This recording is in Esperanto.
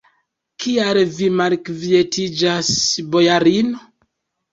Kial vi malkvietiĝas, bojarino?